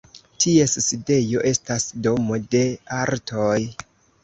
Ties sidejo estas Domo de artoj.